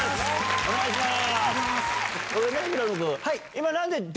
お願いします。